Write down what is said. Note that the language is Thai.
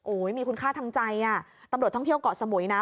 โอ้ยมีคุณค่าทางใจตำรวจท่องเที่ยวก่อสมุยนะ